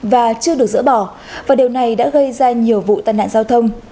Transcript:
và chưa được dỡ bỏ và điều này đã gây ra nhiều vụ tai nạn giao thông